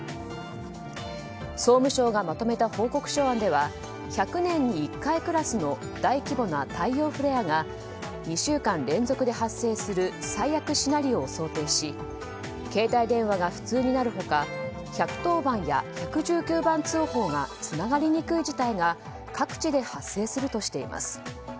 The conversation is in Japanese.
総務省がまとめた報告書案では１００年に１回クラスの大規模な太陽フレアが２週間連続で発生する最悪シナリオを想定し携帯電話が不通になる他１１０番や１１９番通報がつながりにくい事態が各地で発生するとしています。